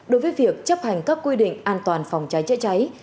đối với việc chấp hành các quy định an toàn phòng cháy chữa cháy